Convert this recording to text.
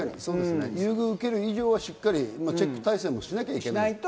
優遇を受ける以上はしっかりチェック体制もしなきゃいけない。